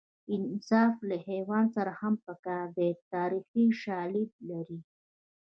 انصاف له حیوان سره هم په کار دی تاریخي شالید لري